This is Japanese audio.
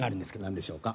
何でしょうか。